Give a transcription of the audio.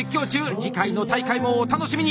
次回の大会もお楽しみに！